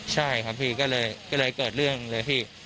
ใช่ครับพี่ก็เลยเกิดเรื่องเลยพี่